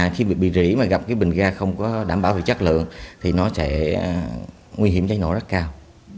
khi bị rỉ mà gặp cái bình ga không có đảm bảo về chất lượng thì nó sẽ nguy hiểm cháy nổ rất cao